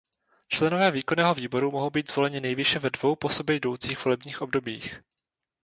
Členové Výkonného výboru mohou být zvoleni nejvýše ve dvou po sobě jdoucích volebních obdobích.